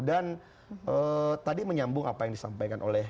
dan tadi menyambung apa yang disampaikan oleh